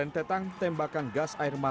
tidak tidak tidak